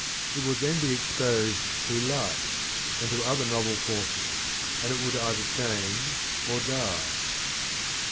It would then be exposed to light, and to other novel forces, and it would either change or die.